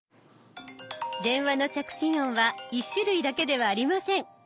電話の着信音は１種類だけではありません。